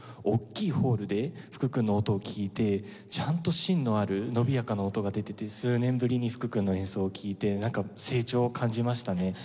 大きいホールで福君の音を聴いてちゃんと芯のある伸びやかな音が出てて数年ぶりに福君の演奏を聴いてなんか成長を感じましたね。